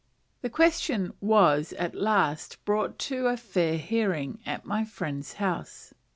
The question was at last brought to a fair hearing at my friend's house.